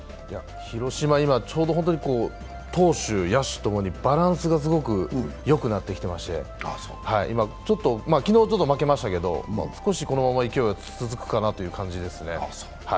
広島、ちょうど今、投手、野手ともにバランスがすごくよくなってきていまして、今、ちょっと昨日、負けましたけど少しこのまま勢いが続くかなという感じですね。